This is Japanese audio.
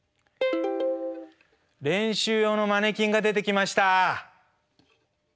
練習用のマネキンが出てきました。